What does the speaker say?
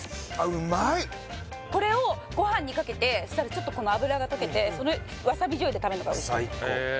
これをご飯にかけてそしたらちょっとこの脂が溶けてわさび醤油で食べるのが最高